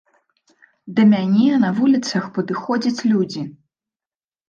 Да мяне на вуліцах падыходзяць людзі.